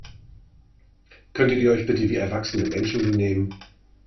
Könntet ihr euch bitte wie erwachsene Menschen benehmen?